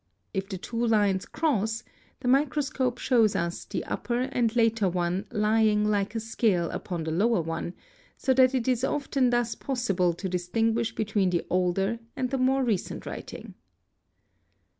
If the two lines _ cross, the microscope shows us the upper and later one lying like a scale _ upon the lower one, so that it is often thus possible to distinguish between the older and the more recent writing.